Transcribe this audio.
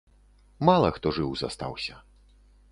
Мала хто жыў застаўся.